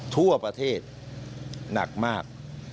ทั่วประเทศหนักมาก